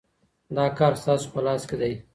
دا کار ستاسو په لاس کي دی.